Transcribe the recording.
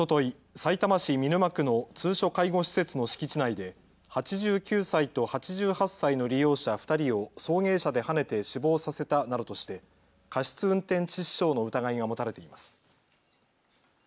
さいたま市見沼区の通所介護施設の敷地内で８９歳と８８歳の利用者２人を送迎車ではねて死亡させたなどとして過失運転致死傷の疑いが持たれています。